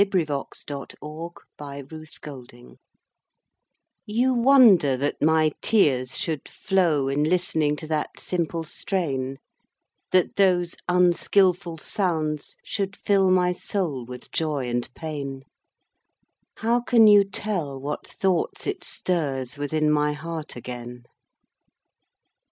VERSE: VOICES OF THE PAST You wonder that my tears should flow In listening to that simple strain; That those unskilful sounds should fill My soul with joy and pain How can you tell what thoughts it stirs Within my heart again?